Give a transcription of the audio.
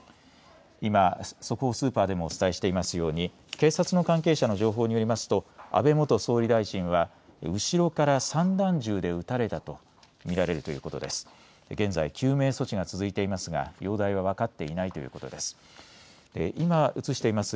今、速報スーパーでもお伝えしていますように警察の関係者の情報によりますと安倍元総理大臣は後ろから散弾銃で撃たれたと見られるということです。